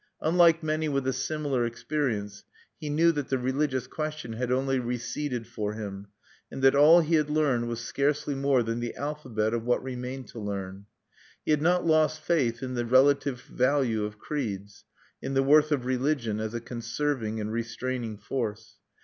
Unlike many with a similar experience, he knew that the religious question had only receded for him, and that all he had learned was scarcely more than the alphabet of what remained to learn. He had not lost belief in the relative value of creeds, in the worth of religion as a conserving and restraining force.